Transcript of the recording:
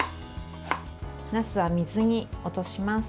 なすは水に落とします。